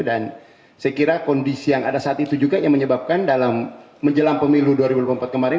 dan saya kira kondisi yang ada saat itu juga yang menyebabkan dalam menjelang pemilu dua ribu dua puluh empat kemarin